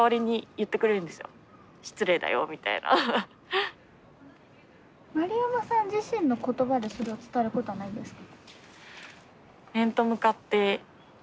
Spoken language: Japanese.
結構何か丸山さん自身の言葉でそれを伝えることはないんですか？